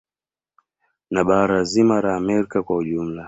Na bara zima la Amerika kwa ujumla